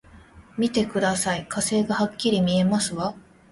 見てください、火星がはっきり見えますわ！